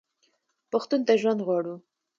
پښتون ته ژوندون غواړو.